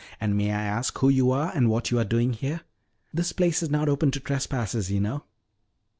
"And may I ask who you are and what you are doing here? This place is not open to trespassers, you know."